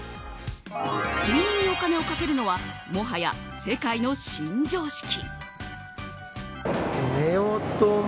睡眠にお金をかけるのはもはや世界の新常識。